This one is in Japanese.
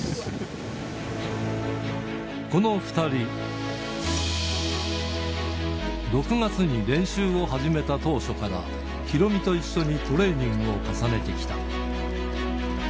この２人、６月に練習を始めた当初から、ヒロミと一緒にトレーニングを重ねてきた。